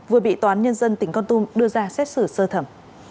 vừa bị toán nhân dân tỉnh con tum đưa ra xét xử sơ thẩm